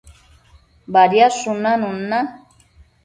Badiadshun nanun na